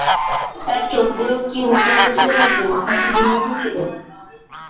তার চোখগুলো কি উপড়ানো ছিলো নাকি মাথার খুলির মধ্যে ছিলো?